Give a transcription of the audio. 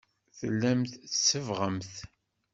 Tellamt tsebbɣemt.